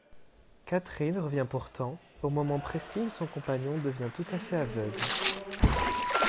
Catherine revient pourtant, au moment précis où son compagnon devient tout à fait aveugle.